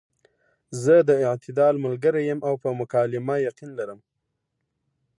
زۀ د اعتدال ملګرے يم او پۀ مکالمه يقين لرم -